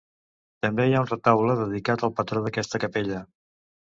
També hi ha un retaule dedicat al patró d'aquesta capella.